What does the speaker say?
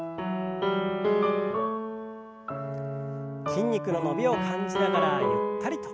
筋肉の伸びを感じながらゆったりと。